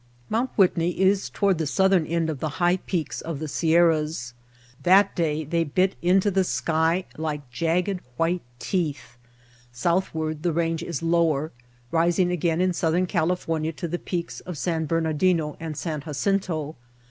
Mt. Whitney is toward the southern end of the high peaks of the Sierras. That day they bit into the sky like jagged white teeth. South ward the range is lower, rising again in Southern California to the peaks of San Bernadino and San Jacinto.